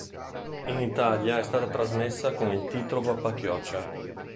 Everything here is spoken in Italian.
In Italia è stata trasmessa con il titolo "Papà chioccia".